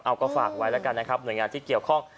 เอาก็ฝากไว้แล้วกันนะครับหน่วยงานที่เกี่ยวข้อง